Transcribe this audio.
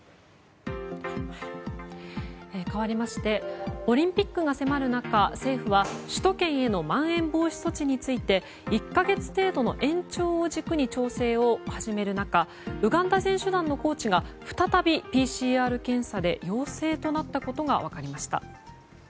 かわりましてオリンピックが迫る中政府は首都圏へのまん延防止措置について１か月程度の延長を軸に調整を始める中ウガンダ選手団のコーチが再び、ＰＣＲ検査で陽性となったことが分かりました。